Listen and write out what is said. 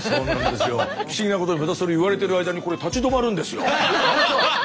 不思議なことにまたそれ言われてる間にこれ立ち止まるんですよ。